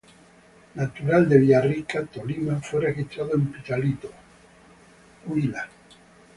Natural de Villarrica, Tolima, fue registrado en Pitalito, Huila.